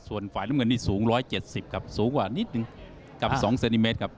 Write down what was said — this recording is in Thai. ส่วนฝ่ายน้ำเงินนี่สูง๑๗๐ครับสูงกว่านิดนึงกับ๒เซนติเมตรครับ